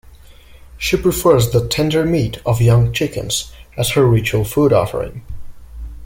She prefers the tender meat of young chickens as her ritual food offering.